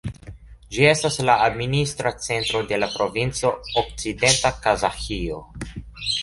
Ĝi estas la administra centro de la provinco Okcidenta Kazaĥio.